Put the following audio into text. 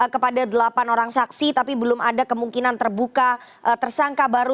kepada delapan orang saksi tapi belum ada kemungkinan terbuka tersangka baru